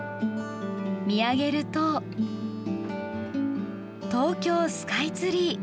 見上げると、東京スカイツリー。